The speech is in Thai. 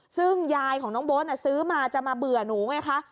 ซึ่งยายของน้องโบ๊ทซื้อมาจะมาเบื่อหนูไงคะ